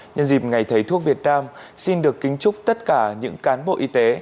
nhân dịp ngày thầy thuốc việt nam xin được kính chúc tất cả những cán bộ y tế